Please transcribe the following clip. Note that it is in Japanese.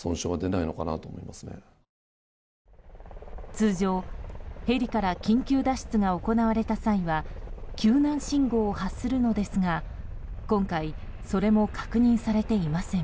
通常、ヘリから緊急脱出が行われた際には救難信号を発するのですが今回、それも確認されていません。